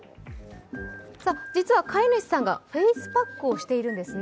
実は飼い主さんがフェイスパックをしているんですね。